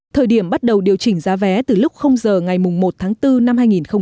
thời điểm bắt đầu điều chỉnh giá vé từ giờ ngày một tháng bốn năm hai nghìn một mươi chín